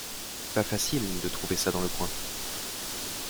Pas facile de trouver ça dans le coin.